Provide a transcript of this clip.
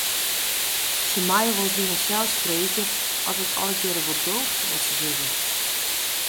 Se meie wolris by harsels freegje oft it allegearre wol doocht wat se sizze.